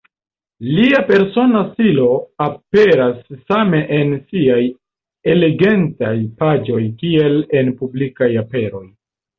Lia persona stilo aperas same en siaj elegantaj paĝoj kiel en publikaj aperoj.